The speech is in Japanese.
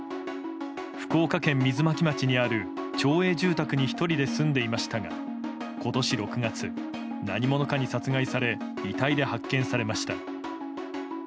福岡県水巻町にある町営住宅に１人で住んでいましたが今年６月、何者かに殺害され遺体で発見されました。